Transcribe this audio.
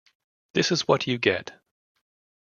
This Is What You Get.